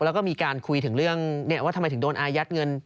แล้วก็มีการคุยถึงเรื่องว่าทำไมถึงโดนอายัดเงิน